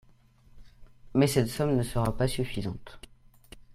Mais cette somme ne sera pas suffisante.